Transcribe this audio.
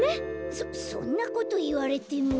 そそんなこといわれても。